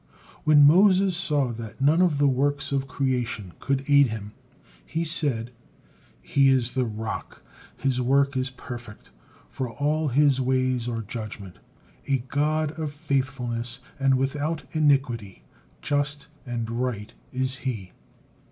'" When Moses saw that none of the works of creation could aid him, he said: "He is 'the Rock, His work is perfect, for all His ways are judgement: A God of faithfulness and without iniquity, just and right is He.'"